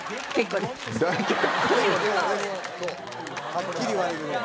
はっきり言われる。